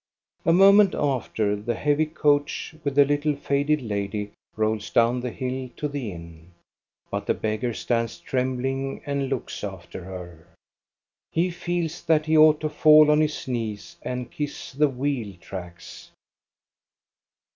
A moment after, the heavy coach with the little faded lady rolls down the hill to the inn, but the beggar stands trembling and looks after her. He feels that he ought to fall on his knees and kiss the wheel tracks.